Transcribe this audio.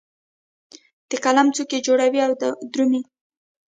د قلم څوکې جوړوي او درومې